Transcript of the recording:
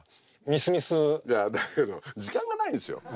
いやだけど時間がないんですよ。